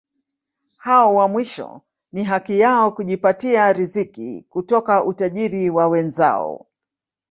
Hao wa mwisho ni haki yao kujipatia riziki kutoka utajiri wa wenzao.